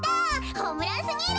ホームランすぎる。